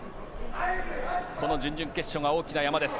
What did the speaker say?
この準々決勝が大きな山です。